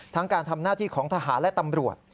การทำหน้าที่ของทหารและตำรวจ